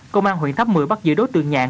công an huyện tháp mười bắt giữ đối tượng nhạn